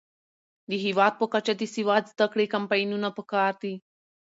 د هیواد په کچه د سواد زده کړې کمپاینونه پکار دي.